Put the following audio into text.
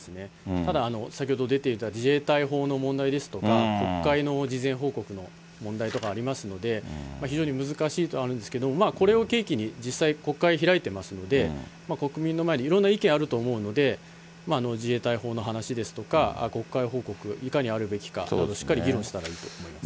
ただ、先ほど出ていた自衛隊法の問題ですとか、国会の事前報告の問題とかありますので、非常に難しいところあるんですけれども、まあこれを契機に、実際、国会開いてますので、国民の前でいろんな意見あると思うので、自衛隊法の話ですとか、国会報告、いかにあるべきかなど、しっかり議論したらいいと思います。